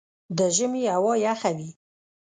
د ژمي هوا یخه وي